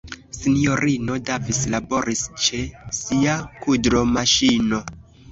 Sinjorino Davis laboris ĉe sia kudromaŝino.